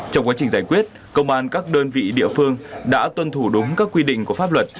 trong quá trình giải quyết công an các đơn vị địa phương đã tuân thủ đúng các quy định của pháp luật